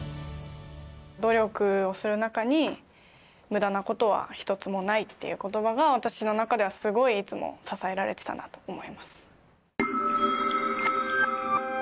「努力をする中に無駄な事は一つもない」っていう言葉が私の中ではすごいいつも支えられてたなと思います。